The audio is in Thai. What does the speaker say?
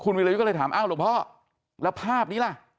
วิรยุทธ์ก็เลยถามอ้าวหลวงพ่อแล้วภาพนี้ล่ะ